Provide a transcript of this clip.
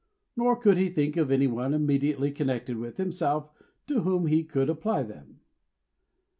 Nor could he think of any one immediately connected with himself, to whom he could apply them.